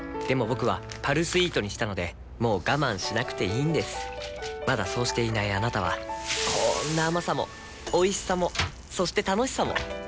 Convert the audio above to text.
僕は「パルスイート」にしたのでもう我慢しなくていいんですまだそうしていないあなたはこんな甘さもおいしさもそして楽しさもあちっ。